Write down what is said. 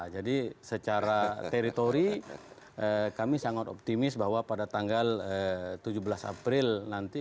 jadi secara teritori kami sangat optimis bahwa pada tanggal tujuh belas april nanti